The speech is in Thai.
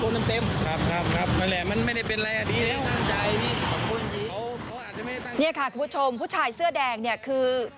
นี่ค่ะคุณผู้ชมผู้ชายเสื้อแดงเนี่ยคือ